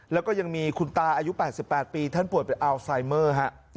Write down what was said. แล้วก็ยังมีคุณตาอายุ๘๘ปีท่านป่วยเป็นอัลไซเมอร์ฮะ